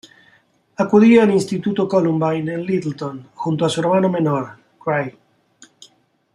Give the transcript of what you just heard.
Acudía al Instituto Columbine en Littleton junto a su hermano menor, Craig.